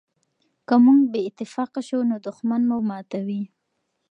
که موږ بې اتفاقه شو نو دښمن مو ماتوي.